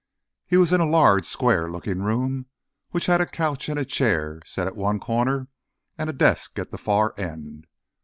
He was in a large square looking room which had a couch and chair set at one corner, and a desk at the far end.